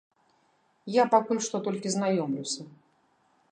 Я пакуль што толькі знаёмлюся.